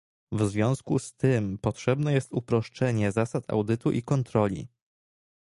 W związku z tym potrzebne jest uproszczenie zasad audytu i kontroli